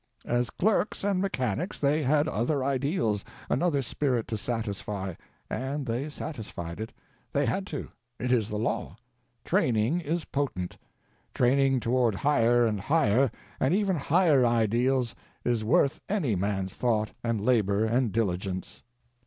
As clerks and mechanics they had other ideals, another spirit to satisfy, and they satisfied it. They had to; it is the law. _Training _is potent. Training toward higher and higher, and ever higher ideals is worth any man's thought and labor and diligence.